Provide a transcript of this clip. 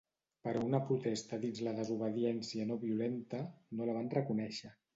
Però una protesta dins la desobediència no violenta, no la van reconèixer.